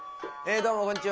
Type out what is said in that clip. どうもこんにちは。